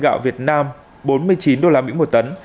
gạo việt nam bốn mươi chín usd một tấn